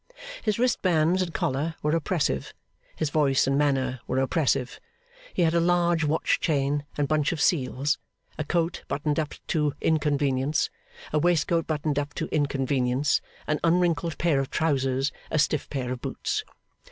His wristbands and collar were oppressive; his voice and manner were oppressive. He had a large watch chain and bunch of seals, a coat buttoned up to inconvenience, a waistcoat buttoned up to inconvenience, an unwrinkled pair of trousers, a stiff pair of boots.